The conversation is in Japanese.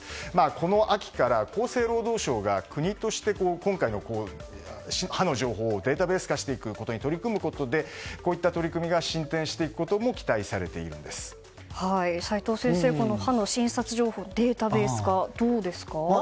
この秋から厚生労働省が国として歯の情報のデータベース化に取り組むことでこういった取り組みが進展していくことも齋藤先生、歯の診察情報データベース化どうですか？